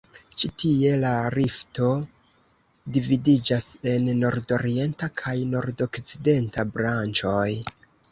Ĉi tie la rifto dividiĝas en nordorienta kaj nordokcidenta branĉoj.